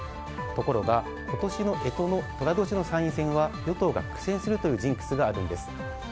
ところが、今年の干支の寅年の参院選は与党が苦戦するというジンクスがあるんです。